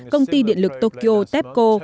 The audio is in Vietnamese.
công ty điện lực tokyo tepco